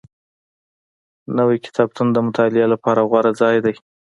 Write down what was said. نوی کتابتون د مطالعې لپاره غوره ځای دی